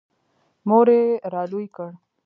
• مور یې را لوی کړ.